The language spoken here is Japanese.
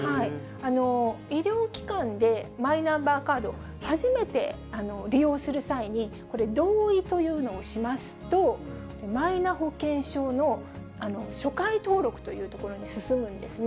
医療機関でマイナンバーカード、初めて利用する際に、これ、同意というのをしますと、マイナ保険証の初回登録というところに進むんですね。